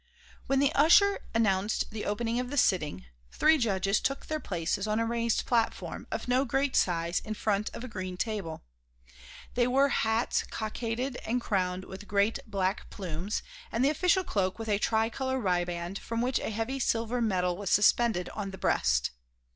When the usher announced the opening of the sitting, three judges took their places on a raised platform of no great size in front of a green table. They wore hats cockaded and crowned with great black plumes and the official cloak with a tricolour riband from which a heavy silver medal was suspended on the breast.